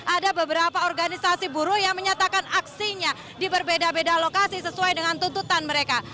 ada beberapa organisasi buruh yang menyatakan aksinya di berbeda beda lokasi sesuai dengan tuntutan mereka